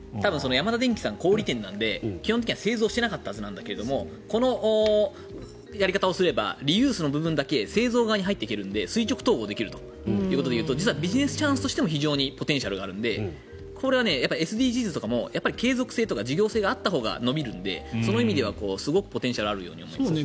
ヤマダデンキ小売店さんなんで基本的には製造していなかったはずだけどこのやり方をすればリユースの部分だけ製造側に入っていけるので垂直統合できるということでいうとビジネスチャンスとしても非常にポテンシャルがあるのでＳＤＧｓとかも継続性とか事業性があったほうが伸びるのでその意味ではすごくポテンシャルがあるように思えます。